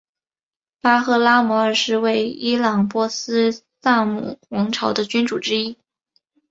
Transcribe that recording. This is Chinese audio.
巴赫拉姆二世为伊朗波斯萨珊王朝的君主之一。